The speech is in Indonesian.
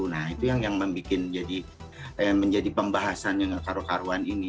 nah itu yang membuat menjadi pembahasan yang karu karuan ini